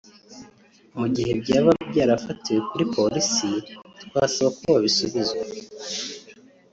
mu gihe byaba byarafatiwe kuri Polisi twasaba ko babisubizwa